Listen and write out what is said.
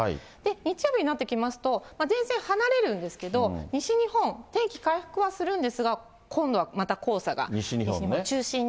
日曜日になってきますと、前線離れるんですけど、西日本、天気回復はするんですけど、今度西日本ね。